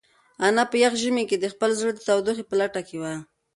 انا په یخ ژمي کې د خپل زړه د تودوخې په لټه کې وه.